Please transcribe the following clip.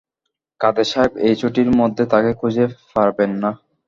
কাদের সাহেব এই ছুটির মধ্যে তাকে খুঁজে পাবেন না।